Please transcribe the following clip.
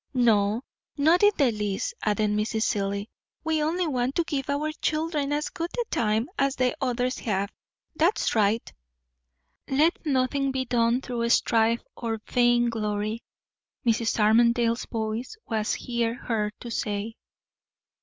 "No, not in the least," added Mrs. Seelye. "We only want to give our children as good a time as the others have. That's right." "'Let nothing be done through strife or vainglory,'" Mrs. Armadale's voice was here heard to say.